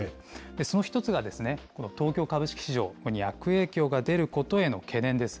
その１つが、この東京株式市場に悪影響が出ることへの懸念です。